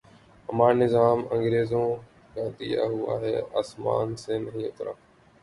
ہمارا نظام انگریزوں کا دیا ہوا ہے، آسمان سے نہیں اترا۔